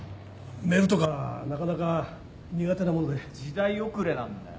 メールとかなかなか苦手なもので。時代遅れなんだよ。